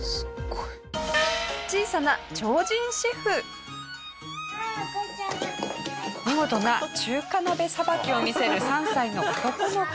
小さな見事な中華鍋さばきを見せる３歳の男の子。